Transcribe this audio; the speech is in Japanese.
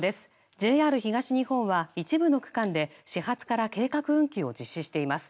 ＪＲ東日本は一部の区間で始発から計画運休を実施しています。